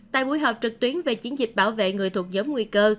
tại buổi họp trực tuyến về chiến dịch bảo vệ người thuộc giống nguy cơ